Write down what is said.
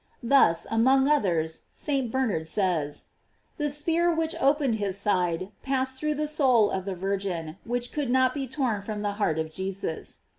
Thus, among others, Si. Bernard says: The spear which opened his side passed through the soul of the Virgin, which could not be torn from the heart of Jesus.